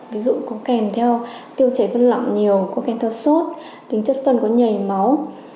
ví dụ có kèm theo tiêu chảy phân lỏng nhiều có kèm theo sốt tính chất phân có nhảy máu